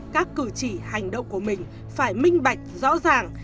các cử chỉ hành động của mình phải minh bạch rõ ràng